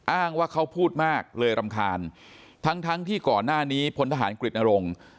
อ้างว่าเขาพูดมากเลยรำคาญทั้งทั้งที่ก่อนหน้านี้พลทหารกฤตนรงค์